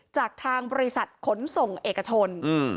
จากทางบริษัทขนส่งเอกชน